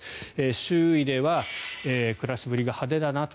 周囲では暮らしぶりが派手だなと。